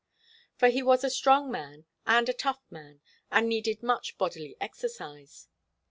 For he was a strong man and a tough man, and needed much bodily exercise.